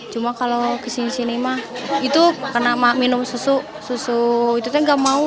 cuma kalau kesini sini mah itu karena mah minum susu susu itu saya nggak mau